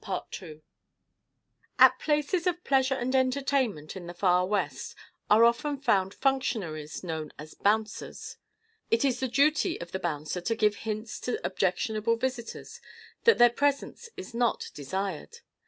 At places of pleasure and entertainment in the Far West, are often found functionaries known as "bouncers." It is the duty of the bouncer to give hints to objectionable visitors that their presence is not desired.